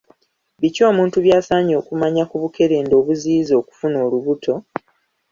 Biki omuntu by'asaanye okumanya ku bukerenda obuziyiza okufuna olubuto?